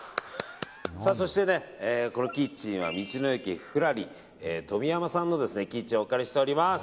そしてキッチンは道の駅富楽里とみやまさんのキッチンをお借りしております。